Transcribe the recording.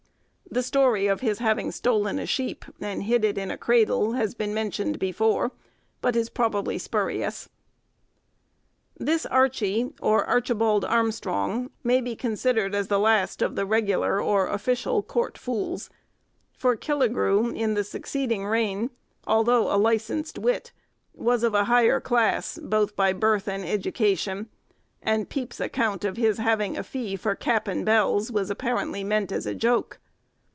The story of his having stolen a sheep, and hid it in a cradle, has been mentioned before, but is probably spurious. This Archie, or Archibald Armstrong, may be considered as the last of the regular or official court fools; for Killigrew, in the succeeding reign, although a licensed wit, was of a higher class, both by birth and education; and Pepys's account of his having a fee for cap and bells was apparently meant as a joke.